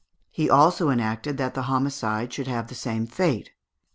He also enacted that the homicide should have the same fate.